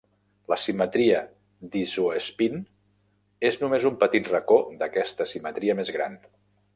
La simetria d'isoespín és només un petit racó d'aquesta simetria més gran.